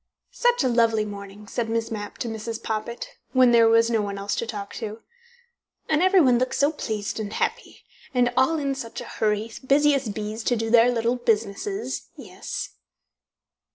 "Such a lovely morning!" said Miss Mapp to Mrs. Poppit, when there was no one else to talk to. "And everyone looks so pleased and happy, and all in such a hurry, busy as bees, to do their little businesses. Yes."